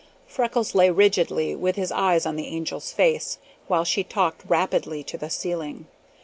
Freckles lay rigidly, with his eyes on the Angel's face, while she talked rapidly to the ceiling.